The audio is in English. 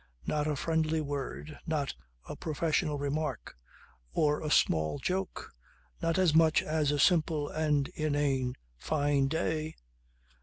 Not a friendly word, not a professional remark, or a small joke, not as much as a simple and inane "fine day."